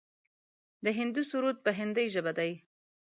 د هندو سرود په هندۍ ژبه دی.